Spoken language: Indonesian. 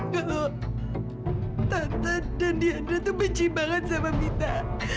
kalau tante dan tiandra tuh benci banget sama kita